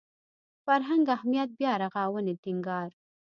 فرهنګ اهمیت بیارغاونې ټینګار